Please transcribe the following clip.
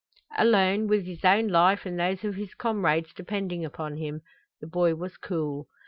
Alone, with his own life and those of his comrades depending upon him, the boy was cool.